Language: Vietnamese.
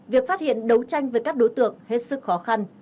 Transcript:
việc phát hiện đấu tranh với các đối tượng hết sức khó khăn